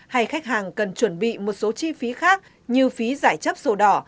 hay khách hàng cần chuẩn bị một số chi phí khác như phí giải chấp sổ đỏ